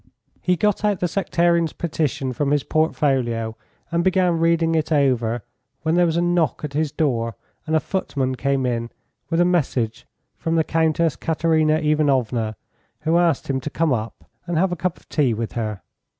He got out the sectarians' petition from his portfolio, and began reading it over, when there was a knock at his door, and a footman came in with a message from the Countess Katerina Ivanovna, who asked him to come up and have a cup of tea with her.